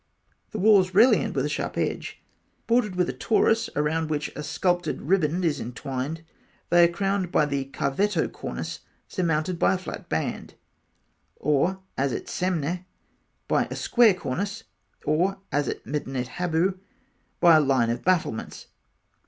The walls rarely end with a sharp edge. Bordered with a torus, around which a sculptured riband is entwined, they are crowned by the cavetto cornice surmounted by a flat band (fig. 53); or, as at Semneh, by a square cornice; or, as at Medinet Habu, by a line of battlements.